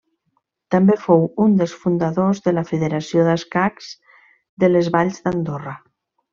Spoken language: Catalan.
També fou un dels fundadors de la Federació d'Escacs de les Valls d'Andorra.